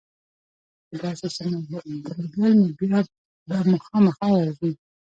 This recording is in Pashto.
که داسې څه مو درلودل نو بیا به مو خامخا وژني